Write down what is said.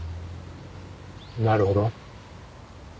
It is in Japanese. なるほど。